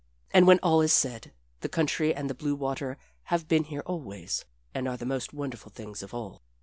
And when all is said, the country and the blue water have been here always, and are the most wonderful things of all.